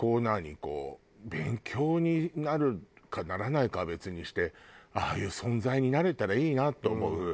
こう勉強になるかならないかは別にしてああいう存在になれたらいいなと思う。